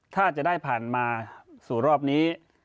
ถ้าจะได้ผ่านมาสู่รอบนี้